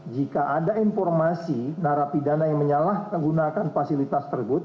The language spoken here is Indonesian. jika ada informasi narapidana yang menyalahgunakan fasilitas tersebut